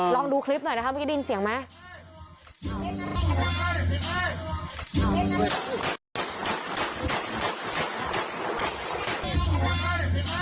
ลองดูคลิปหน่อยนะคะมิกะดินเสียงไหม